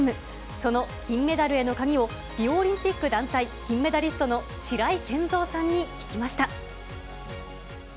その金メダルへの鍵を、リオオリンピック団体金メダリストの白井健三さんに聞きました。